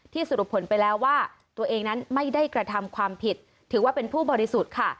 สรุปผลไปแล้วว่าตัวเองนั้นไม่ได้กระทำความผิดถือว่าเป็นผู้บริสุทธิ์ค่ะ